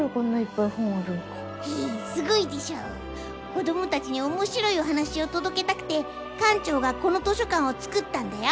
子どもたちにおもしろいお話をとどけたくてかん長がこの図書かんを作ったんだよ！